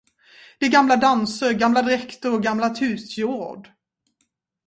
Det är gamla danser, gamla dräkter och gammalt husgeråd.